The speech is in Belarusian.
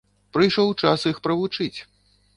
Прыйшоў час іх правучыць.